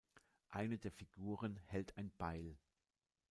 Eine der Figuren hält ein Beil.